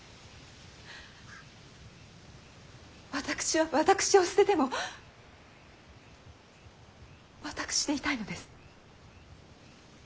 私は私を捨てても私でいたいのです。